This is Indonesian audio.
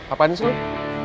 apaan ini suri